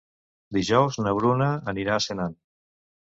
Dijous na Bruna anirà a Senan.